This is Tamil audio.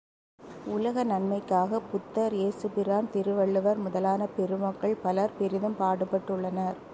உலக நன்மைக்காகப் புத்தர், ஏசு பிரான், திருவள்ளுவர் முதலான பெருமக்கள் பலர் பெரிதும் பாடுபட்டுள்ளனர்.